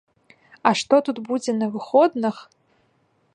А што тут будзе на выходных!